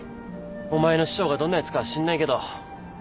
お前の師匠がどんなヤツかは知んないけど。